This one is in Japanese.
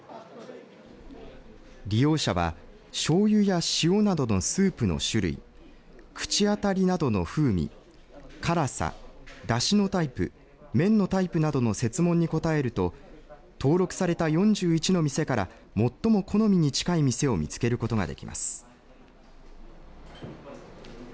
利用者はしょうゆや塩などのスープの種類口当たりなどの風味辛さだしのタイプ、麺のタイプなどの設問に答えると登録された４１の店から最も好みに近い店を見つけることができます。